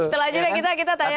setelah jeda kita tanya